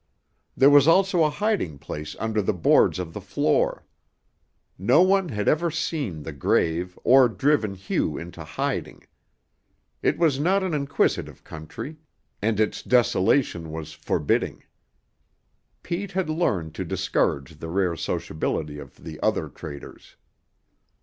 There was also a hiding place under the boards of the floor. No one had ever seen the grave or driven Hugh into hiding. It was not an inquisitive country, and its desolation was forbidding. Pete had learned to discourage the rare sociability of the other traders.